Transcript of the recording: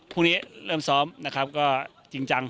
พรุ่งนี้เริ่มซ้อมนะครับก็จริงจัง